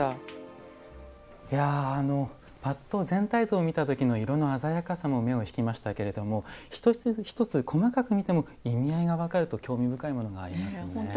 いやぱっと全体図を見たときの色の鮮やかさも目を引きましたけれども一つ一つ細かく見ても意味合いが分かると興味深いものがありますよね。